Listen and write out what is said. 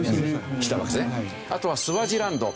あとはスワジランド。